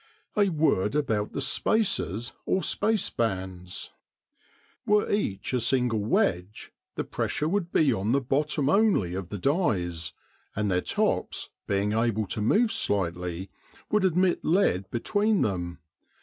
A word about the "spaces," or space bands. Were each a single wedge the pressure would be on the bottom only of the dies, and their tops, being able to move slightly, would admit lead between them.